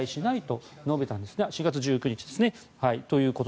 それは４月１９日ですね。